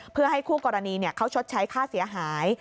เพื่อให้คู่กรณีเขาชดใช้ค่าเสียหาย